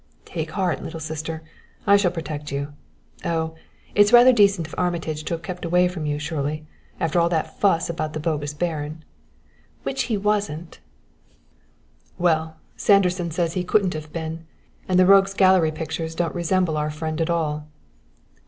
"Take heart, little sister, I shall protect you. Oh, it's rather decent of Armitage to have kept away from you, Shirley, after all that fuss about the bogus baron." "Which he wasn't " "Well, Sanderson says he couldn't have been, and the rogues' gallery pictures don't resemble our friend at all."